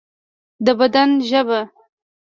د بدن ژبه